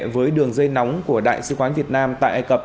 với đường dây nóng của đại sứ quán việt nam tại ai cập